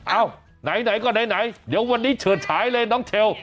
ไหนก็ไหนเดี๋ยววันนี้เฉิดฉายเลยน้องเทล